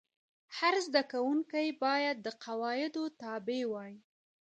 هر زده کوونکی باید د قواعدو تابع وای.